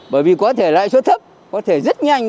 bởi vì có thể lãi suất thấp có thể rất nhanh